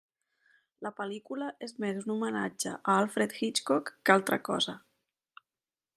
La pel·lícula és més un homenatge a Alfred Hitchcock que altra cosa.